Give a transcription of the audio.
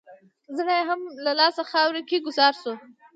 زړه یې هم له لاسه خاورو کې ګوزار شو.